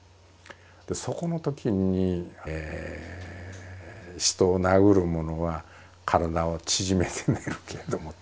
でそこのときに「人を殴る者は体を縮めて寝るけれども」。